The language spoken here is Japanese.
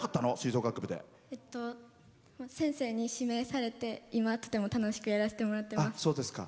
先生に指名されて今、とても楽しくやらせてもらっています。